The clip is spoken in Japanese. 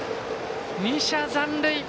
２者残塁。